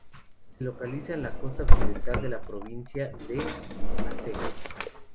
Se localiza en la costa occidental de la provincia de Aceh.